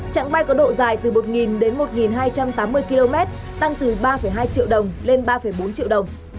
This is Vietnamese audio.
trạng bay có độ dài từ một đến một hai trăm tám mươi km tăng từ ba hai triệu đồng lên ba bốn triệu đồng